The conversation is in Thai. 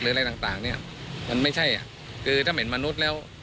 อะไรต่างเนี่ยมันไม่ใช่อ่ะคือถ้าเห็นมนุษย์แล้ว